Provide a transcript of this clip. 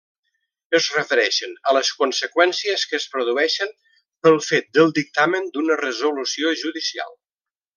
Es refereixen a les conseqüències que es produeixen pel fet del dictamen d'una resolució judicial.